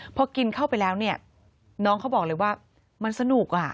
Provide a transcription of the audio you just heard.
พอกินเข้าไปแล้วน้องเขาบอกเลยว่ามันสนุก